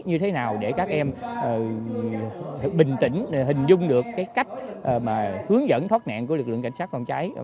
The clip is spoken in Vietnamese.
như thế nào để các em bình tĩnh hình dung được cái cách hướng dẫn thoát nạn của lực lượng cảnh sát phòng cháy